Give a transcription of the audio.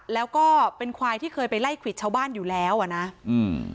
แล้วก็เป็นควายที่เคยไปไล่ควิดชาวบ้านอยู่แล้วอ่ะนะอืม